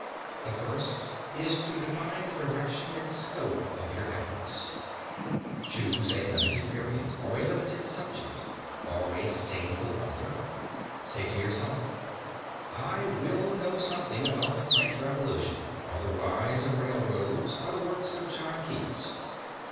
The first is to define the direction and scope of your efforts. Choose a limited period, or a limited subject, or a single author. Say to yourself: "I will know something about the French Revolution, or the rise of railways, or the works of John Keats."